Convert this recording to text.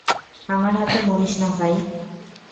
আমার হাতে মরিস না, ভাই।